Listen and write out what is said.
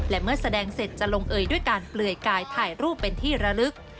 และเมื่อแสดงเสร็จจะลงเอยด้วยการเปลือยกายถ่ายรูปเป็นที่ระลึก